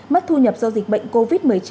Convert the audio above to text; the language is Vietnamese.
mất thu nhập do dịch bệnh covid một mươi chín